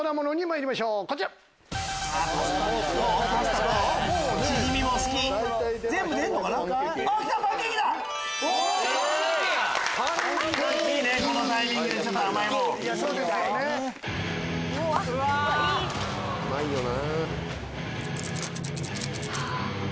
うまいよな。